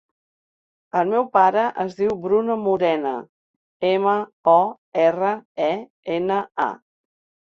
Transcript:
El meu pare es diu Bruno Morena: ema, o, erra, e, ena, a.